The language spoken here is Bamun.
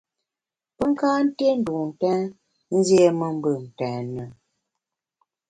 Pe ka nté ndun ntèn, nziéme mbùm ntèn e ?